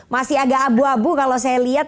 masih agak abu abu kalau saya lihat